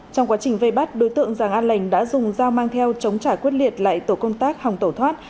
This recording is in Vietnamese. trong quá trình vây bắt đối tượng giàng an lành đã dùng dao mang theo chống trả quyết liệt lại tổ công tác hồng tổ thoát